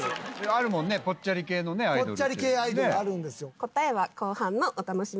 ぽっちゃり系アイドルあるんですよ。